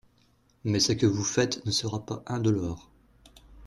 Mais ce que vous faites ne sera pas indolore.